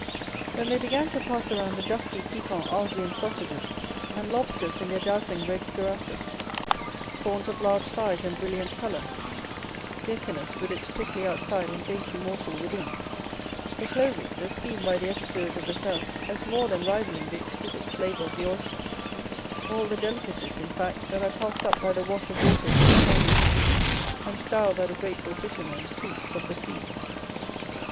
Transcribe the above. Then they began to pass around the dusky, piquant, Arlesian sausages, and lobsters in their dazzling red cuirasses, prawns of large size and brilliant color, the echinus with its prickly outside and dainty morsel within, the clovis, esteemed by the epicures of the South as more than rivalling the exquisite flavor of the oyster, North. All the delicacies, in fact, that are cast up by the wash of waters on the sandy beach, and styled by the grateful fishermen "fruits of the sea."